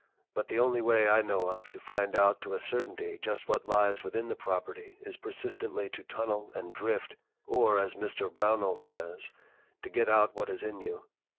But the only way I know of to find out to a certainty just what lies within the property is persistently to tunnel and drift, or, as Mr. Brownell says, 'to get out what is in you.'